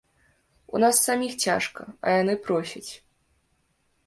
У нас саміх цяжка, а яны просяць.